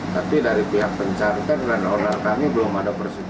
tapi dari pihak pencarter dan order kami belum ada persekutuan